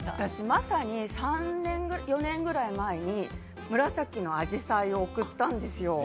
まさに３４年ぐらい前に紫のアジサイを贈ったんですよ。